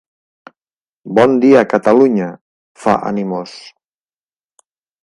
Bon dia, Catalunya —fa, animós—.